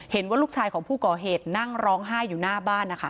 เห็นว่าลูกชายของผู้ก่อเหตุนั่งร้องไห้อยู่หน้าบ้านนะคะ